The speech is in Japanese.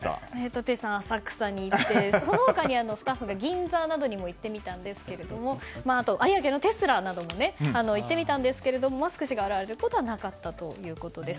立石さん、浅草に行ってその他のスタッフが銀座などにも行ってみたんですけどそして、テスラの店舗にも行ってみたんですがマスク氏が現れることはなかったということです。